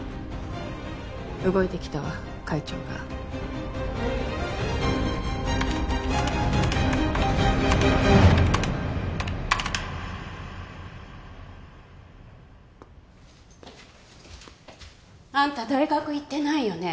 動いてきたわ会長が。あんた大学行ってないよね。